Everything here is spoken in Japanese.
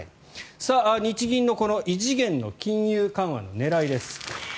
日銀の、この異次元の金融緩和の狙いです。